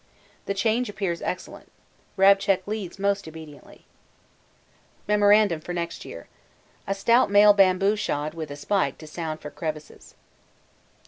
The change appears excellent. Rabchick leads most obediently. Mem. for next year. A stout male bamboo shod with a spike to sound for crevasses.